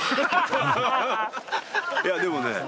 いやでもね